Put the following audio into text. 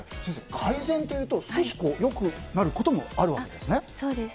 先生、改善というと少し良くなることもあるわけですね。